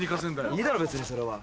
いいだろ別にそれは。